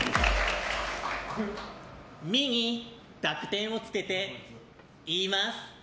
「み」に濁点をつけて言います！